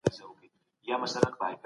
ابن خلدون د عصبيت پېژندنه ډېره مهمه ګڼي.